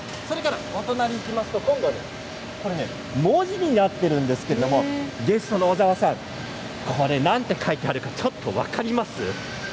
お隣に行きますと文字になっているんですけれどゲストの小沢さんなんと書いてあるかちょっと分かります？